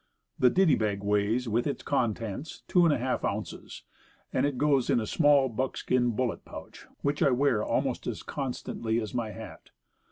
The ditty bag weighs, with contents, 2% ounces; and it goes in a small buckskin bullet pouch, which I wear almost as constantly as my hat.